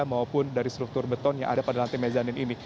maupun dari struktur beton yang ada pada lantai mezanin ini